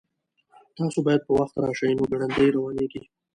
تاسو باید په وخت راشئ نو ګړندي روانیږئ